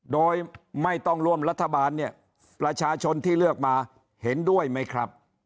โดยไม่ต้องร่วมรัฐบาลเนี่ยประชาชนที่เลือกมาเห็นด้วยไหมครับ